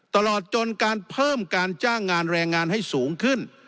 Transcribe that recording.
ตลอดจนการเพิ่มการจ้างงานแรงงานให้สูงขึ้น